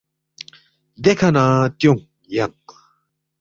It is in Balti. دیکھہ نہ تیونگ ینگ